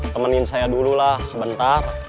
temenin saya dulu lah sebentar